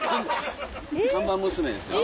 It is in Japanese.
看板娘ですよ。